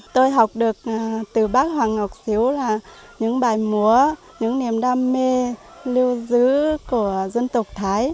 tôi học được từ bác hoàng ngọc diếu là những bài múa những niềm đam mê lưu giữ của dân tộc thái